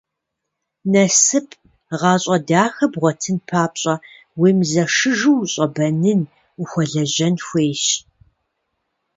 Насып, гъащӏэ дахэ бгъуэтын папщӏэ, уемызэшыжу ущӏэбэнын, ухуэлэжьэн хуейщ.